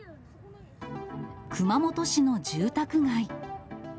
熊本市の住宅街。